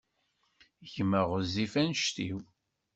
Gma ɣezzif anect-iw.